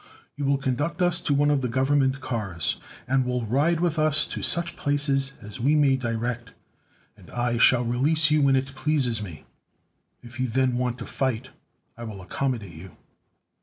You will conduct us to one of the Government cars, and will ride with us to such places as we may direct, and I shall release you when it pleases me. If you then want to fight, I will accommodate you."